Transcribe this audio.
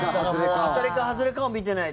もう当たりか外れかを見てない。